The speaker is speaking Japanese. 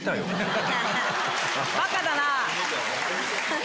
バカだなぁ。